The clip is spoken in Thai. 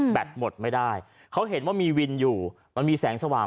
หมดไม่ได้เขาเห็นว่ามีวินอยู่มันมีแสงสว่าง